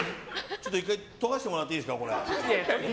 １回研がせてもらっていいですか。